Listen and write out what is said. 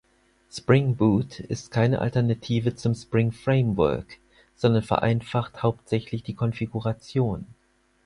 Spring Boot ist keine Alternative zum Spring Framework, sondern vereinfacht hauptsächlich die Konfiguration.